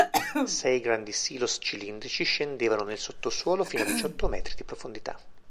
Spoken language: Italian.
Sei grandi silos cilindrici scendevano nel sottosuolo fino a diciotto metri di profondità.